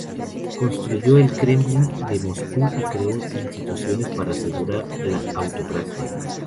Construyó el Kremlin de Moscú y creó instituciones para asegurar la autocracia.